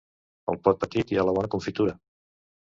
Al pot petit hi ha la bona confitura.